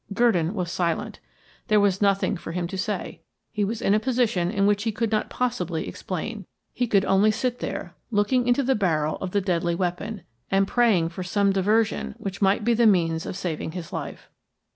Gurdon was silent; there was nothing for him to say. He was in a position in which he could not possibly explain; he could only sit there, looking into the barrel of the deadly weapon, and praying for some diversion which might be the means of saving his life.